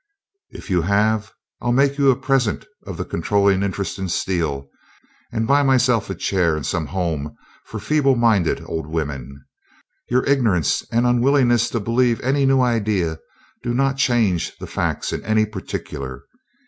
"If you have, I'll make you a present of the controlling interest in Steel and buy myself a chair in some home for feeble minded old women. Your ignorance and unwillingness to believe any new idea do not change the facts in any particular.